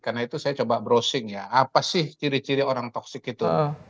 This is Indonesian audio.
karena itu saya coba browsing ya apa sih ciri ciri orang toksik itu